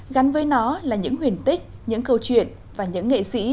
gắn với nó là những huyền tích những câu chuyện và những nghệ sĩ